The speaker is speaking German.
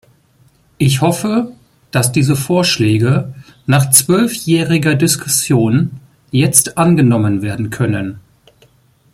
Ich hoffe, dass diese Vorschläge nach zwölfjähriger Diskussion jetzt angenommen werden können.